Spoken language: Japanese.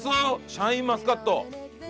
シャインマスカット！